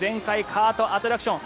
カートアトラクション。